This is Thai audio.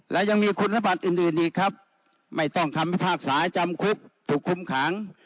และยังมีคุณสมบัติอื่นดีครับไม่ต้องทำให้ภาคสายจำคุกถูกคุ้มขัง